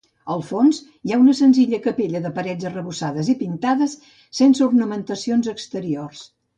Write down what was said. Al fons hi ha una senzilla capella de parets arrebossades i pintades, sense ornamentacions exteriors.